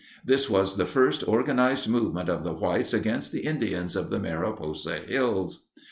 This was the first organized movement of the whites against the Indians of the Mariposa Hills.